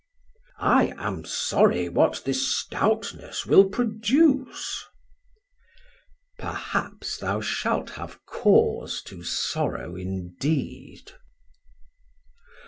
Off: I am sorry what this stoutness will produce. Sam: Perhaps thou shalt have cause to sorrow indeed.